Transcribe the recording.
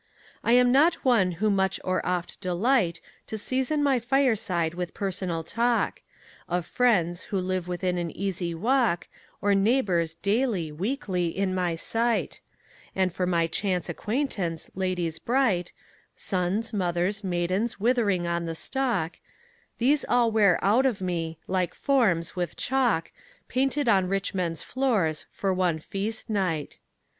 I am not one who much or oft delight To season my fireside with personal talk Of friends, who live within an easy walk, Or neighbours, daily, weekly, in my sight: And, for my chance acquaintance, ladies bright, Sons, mothers, maidens withering on the stalk, These all wear out of me, like forms, with chalk Painted on rich men's floors, for one feast night.